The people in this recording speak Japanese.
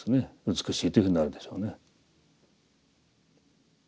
美しいというふうになるでしょうね。